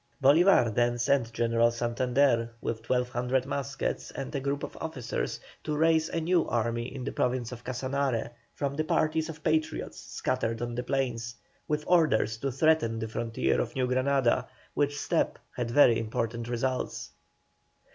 Bolívar then sent General Santander, with 1,200 muskets and a group of officers, to raise a new army in the Province of Casanare, from the parties of Patriots scattered on the plains, with orders to threaten the frontier of New Granada, which step had very important results.